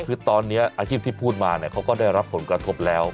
คือตอนนี้อาชีพที่พูดมาเขาก็ได้รับผลกระทบแล้ว